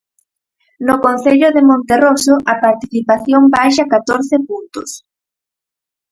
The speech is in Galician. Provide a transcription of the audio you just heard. No Concello de Monterroso a participación baixa catorce puntos.